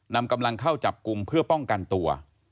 นำกำลังเข้าจับกลุ่มเพื่อป้องกันตัว